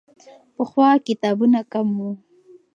پخوا کتابونه کم وو.